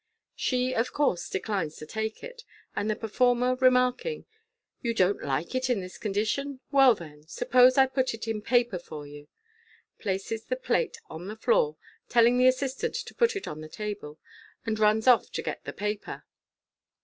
She, of course, declines to take it, and the performer, remarking, "You don't like it in this condition j well, then, suppose I put it in paper for you," places the plate on the floor, telling the assistant to put it on the table, and runs off to get the paper.